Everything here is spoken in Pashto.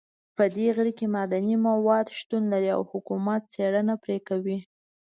په دې غره کې معدني مواد شتون لري او حکومت څېړنه پرې کوي